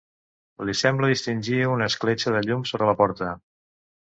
Li sembla distingir una escletxa de llum sota la porta.